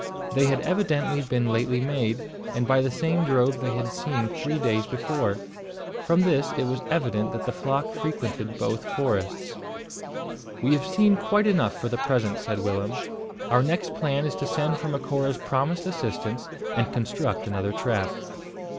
They had evidently been lately made, and by the same drove they had seen three days before. From this it was evident that the flock frequented both forests. "We have seen quite enough for the present," said Willem. "Our next plan is to send for Macora's promised assistance, and construct another trap."